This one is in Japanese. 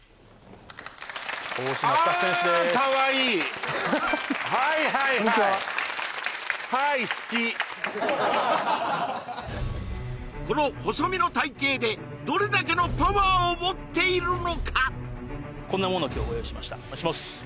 はいはいはいこんにちはこの細身の体型でどれだけのパワーを持っているのかこんなものを今日ご用意しました外します